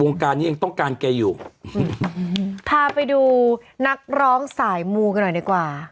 การนี้ยังต้องการแกอยู่อืมพาไปดูนักร้องสายมูกันหน่อยดีกว่า